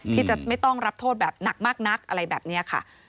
ที่จะไม่ต้องรับโทษแบบหนักมากนักอะไรแบบนี้ค่ะ